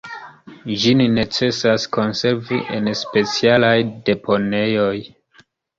Ĝin necesas konservi en specialaj deponejoj.